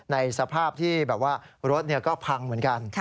ในสภาพที่แบบว่ารถก็พังเหมือนกัน